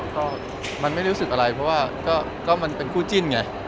ก็มันไม่รู้สึกอะไรเพราะว่าก็มันเป็นคู่จิ้นไง